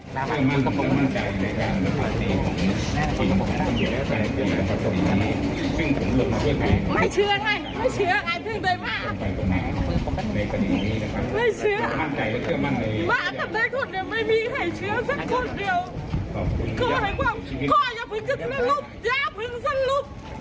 ยากนะที่จะลงไปนอกโน้งขอโอกาสโอกาสที่ไม่มีเงินมาสู้